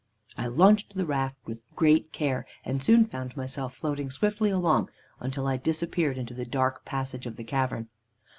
I launched the raft with great care, and soon found myself floating swiftly along until I disappeared into the dark passage of the cavern.